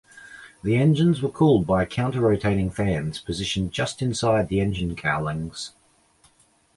The engines were cooled by counter-rotating fans positioned just inside the engine cowlings.